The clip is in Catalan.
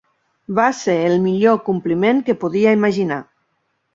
Va ser el millor compliment que podia imaginar.